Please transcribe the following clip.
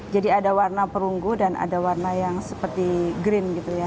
ada warna perunggu dan ada warna yang seperti green gitu ya